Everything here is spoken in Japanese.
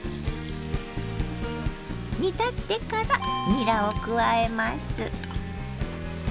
煮立ってからにらを加えます。